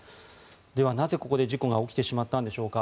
では、なぜここで事故が起きてしまったんでしょうか。